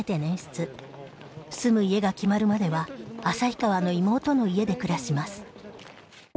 住む家が決まるまでは旭川の妹の家で暮らします。